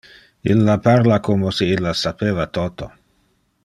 Illa parla como si illa sapeva toto.